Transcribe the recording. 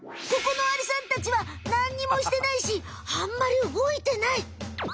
ここのアリさんたちはなんにもしてないしあんまり動いてない！